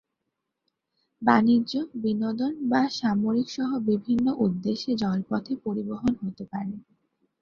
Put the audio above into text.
বাণিজ্য, বিনোদন, বা সামরিক সহ বিভিন্ন উদ্দেশ্যে জলপথে পরিবহন হতে পারে।